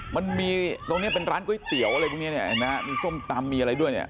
มันมีตรงนี้เป็นร้านก๋วยเตี๋ยวอะไรพวกนี้เนี่ยเห็นไหมฮะมีส้มตำมีอะไรด้วยเนี่ย